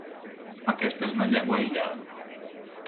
Aquesta és una llengua aïllada.